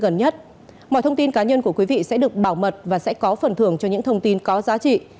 gần nhất mọi thông tin cá nhân của quý vị sẽ được bảo mật và sẽ có phần thưởng cho những thông tin có giá trị